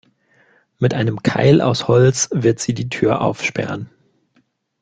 Mit einem Keil aus Holz wird sie die Tür aufsperren.